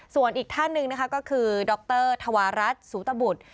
ส่วนอีกท่านหนึ่งนะคะก็คือดรธวรัฐสูตบุตร